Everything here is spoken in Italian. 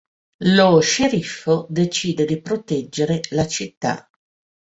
Lo sceriffo decide di proteggere la città.